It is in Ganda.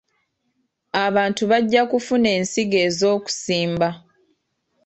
Abantu bajja kufuna ensigo ez'okusimba.